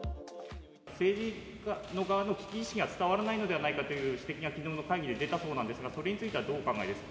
政治の側の危機意識が伝わらないのではないかという指摘が、きのうの会議で出たそうなんですが、それについてはどうお考えですか？